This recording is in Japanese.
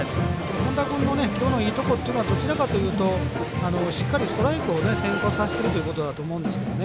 本田君のきょうの、いいところというのはどちらかというとしっかりストライクを先行させてるということだと思うんですけどね。